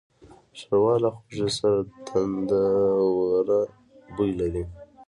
ښوروا له هوږې سره تندهوره بوی لري.